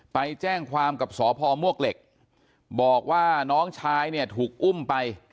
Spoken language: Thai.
ไปแจ้งความกับสพมวกเหล็กบอกว่าน้องชายเนี่ยถูกอุ้มไป